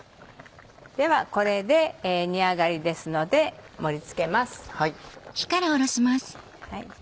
ではこれで煮上がりですので盛り付けます。